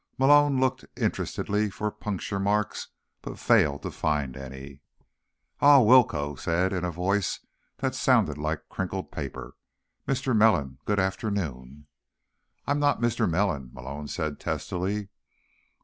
Malone looked interestedly for puncture marks, but failed to find any. "Ah," Willcoe said, in a voice that sounded like crinkled paper. "Mr. Melon. Good afternoon." "I'm not Mr. Melon," Malone said testily.